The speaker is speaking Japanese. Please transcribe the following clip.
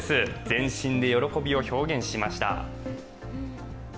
全身で喜びを表現しました。